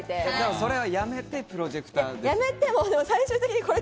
それをやめてプロジェクターですよ。